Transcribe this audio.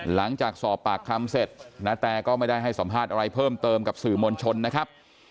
หลังจากสอบปากคำเสร็จณแตก็ไม่ได้ให้สัมภาษณ์อะไรเพิ่มเติมกับสื่อมวลชนนะครับ